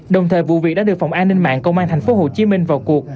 đồng thời vụ việc đã được phòng an ninh mạng công an thành phố hồ chí minh vào cuộc